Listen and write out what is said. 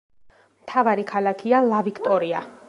მთავარი ქალაქია ლა-ვიქტორია.